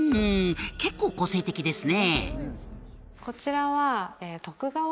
結構個性的ですね